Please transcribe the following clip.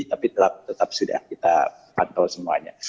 tapi tetap sudah kita pantau semuanya